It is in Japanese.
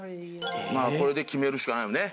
まあこれで決めるしかないよね。